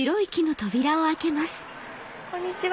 こんにちは。